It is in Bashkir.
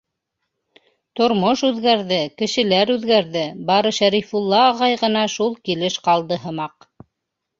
Тормош үҙгәрҙе, кешеләр үҙгәрҙе, бары Шәрифулла ағай ғына шул килеш ҡалды һымаҡ.